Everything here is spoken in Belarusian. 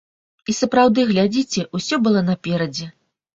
І сапраўды, глядзіце, усё было наперадзе!